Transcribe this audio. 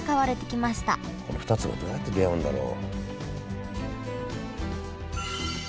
この２つがどうやって出会うんだろう？